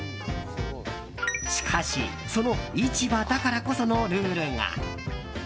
しかしその市場だからこそのルールが。